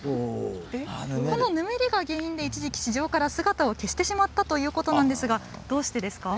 このぬめりが原因で一時期市場から姿を消してしまったということなんですがどうしてですか？